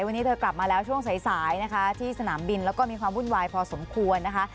วันนี้เธอกลับมาแล้วช่วงสายสายนะคะที่สนามบินแล้วก็มีความวุ่นวายพอสมควรนะคะ